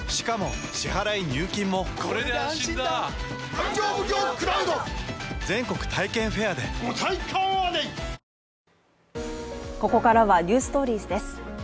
北朝鮮側の狙いはここからは「ｎｅｗｓｔｏｒｉｅｓ」です。